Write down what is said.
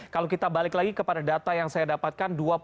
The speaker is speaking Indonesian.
kalau kita balik lagi kepada data yang saya dapatkan